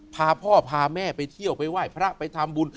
พาพ่อพาแม่ไปเที่ยวไปไหว้พระไปทำบุญ